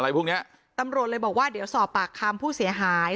พวกเนี้ยตำรวจเลยบอกว่าเดี๋ยวสอบปากคำผู้เสียหาย